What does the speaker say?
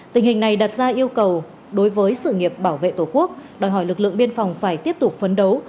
tình hình này đặt ra yêu cầu đối với sự nghiệp bảo vệ tổ quốc đòi hỏi lực lượng biên phòng phải tiếp tục phấn đấu